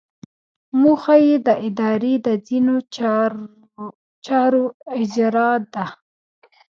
موخه یې د ادارې د ځینو چارو اجرا ده.